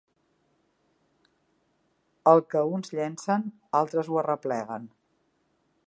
El que uns llencen, altres ho arrepleguen.